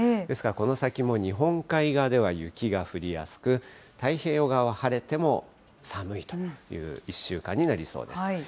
ですからこの先も日本海側では雪が降りやすく、太平洋側は晴れても寒いという１週間になりそうです。